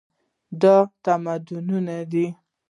دا د تمدنونو ده.